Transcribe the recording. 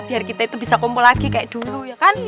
biar kita itu bisa kumpul lagi kayak dulu ya kan